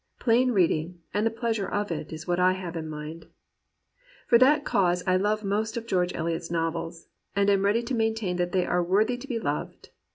Plain reading, and the pleasure of it, is what I have in mind. For that cause I love most of Greorge Eliot's novels, and am ready to maintain that they are worthy to be loved.